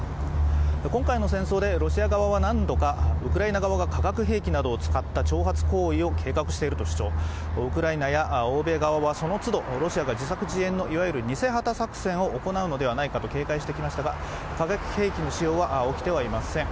今回の戦争でロシア側は何度かウクライナ側が化学兵器を使った挑発行為を計画していると主張ウクライナや欧米側はその都度ロシアが自作自演の、いわゆる偽旗作戦を行うのではないかと警戒してきましたが化学兵器の使用は起きてはいません。